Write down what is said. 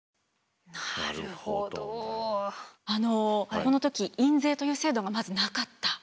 この時印税という制度がまずなかった。